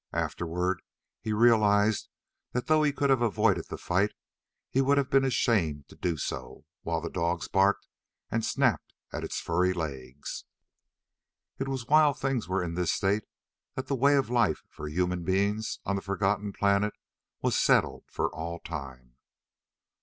Afterward, he realized that though he could have avoided the fight he would have been ashamed to do so, while the dogs barked and snapped at its furry legs. It was while things were in this state that the way of life for human beings on the forgotten planet was settled for all time.